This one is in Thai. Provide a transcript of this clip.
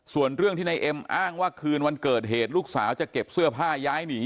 ส่วนเรื่องที่นายเอ็มอ้างว่าคืนวันเกิดเหตุลูกสาวจะเก็บเสื้อผ้าย้ายหนี